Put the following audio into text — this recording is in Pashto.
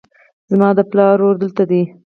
زما د پلار ورور دلته دی